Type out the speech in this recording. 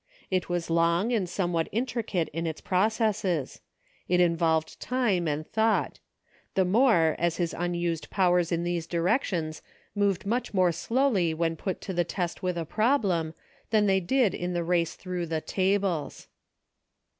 It was long and somewhat intricate in its processes ; it involved time and thought ; the more, as his unused powers in those directions moved much more slowly when put to the test with a problem, than they did in the race through the "tables."